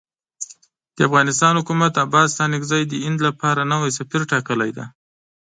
د افغانستان حکومت عباس ستانکزی د هند لپاره نوی سفیر ټاکلی دی.